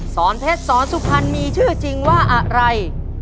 สอนเพชรสอนสุพรรณมีชื่อจริงว่าอะไร